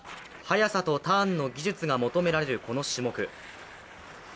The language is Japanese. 速さとターンの技術が求められるこの種目。